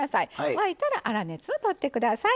沸いたら粗熱をとって下さい。